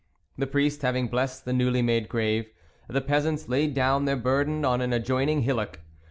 The priest having blessed the newly made grave, the peasants laid down their burden on an adjoining hillock.